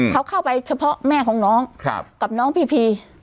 เขาเข้าไปเฉพาะแม่ของน้องกับน้องพีพี